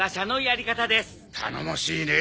頼もしいね。